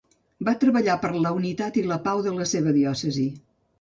Va treballar per la unitat i la pau de la seva diòcesi.